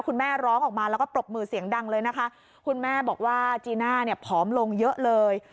คุณแม่ร้องออกมาแล้วก็ปรบมือเสียงดังเลยนะคะคุณแม่บอกว่าจีน่าเนี่ยผอมลงเยอะเลย